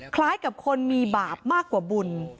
คล้ายกับคนมีบาปมากกว่าบุญ